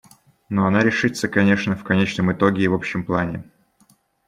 Но она решится, конечно, в конечном итоге и в общем плане.